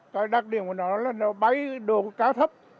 cái đặc điểm của nó là nó bấy đồ cao thấp